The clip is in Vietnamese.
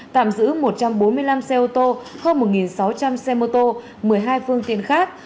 tạm giữ một trăm bốn mươi năm xe ô tô hơn một sáu trăm linh xe mô tô một mươi hai phương tiện khác